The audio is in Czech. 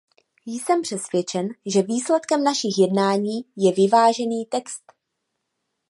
Jsem přesvědčen, že výsledkem našich jednání je vyvážený text.